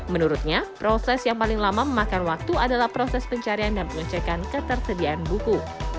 menurutnya proses yang paling lama memakan waktu adalah proses pencarian dan pengecekan ketersediaan buku